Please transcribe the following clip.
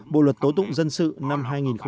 bộ luật tố tụng dân sự năm hai nghìn một mươi năm